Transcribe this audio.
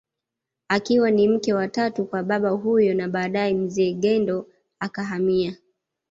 Akiwa ni mke wa tatu kwa baba huyo na badae mzee Gandla akahamia